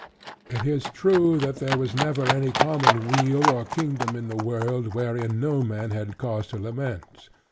It is true, that there was never any common weal or kingdom in the world, wherein no man had cause to lament.